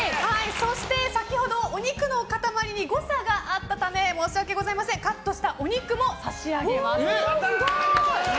そして、先ほどお肉の塊に誤差があったため申し訳ございまさんカットしたお肉も差し上げます。